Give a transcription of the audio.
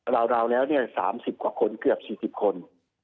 ราวแล้ว๓๐กว่าคนเกือบ๔๐คน